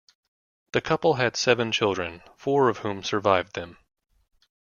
The couple had seven children, four of whom survived them.